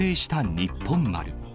にっぽん丸。